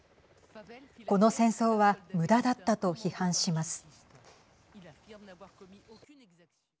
この戦争はむだだったと批判します。